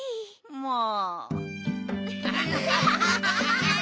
もう。